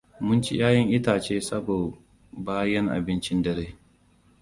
Mun ci 'ya'yan itace sabo bayan abincin dare.